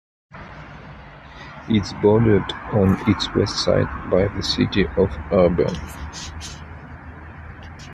It is bordered on its west side by the city of Auburn.